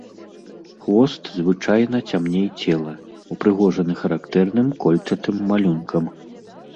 Хвост звычайна цямней цела, упрыгожаны характэрным кольчатым малюнкам.